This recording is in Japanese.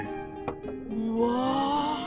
うわ！